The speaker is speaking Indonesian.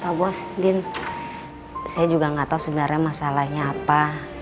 pak bos din saya juga nggak tahu sebenarnya masalahnya apa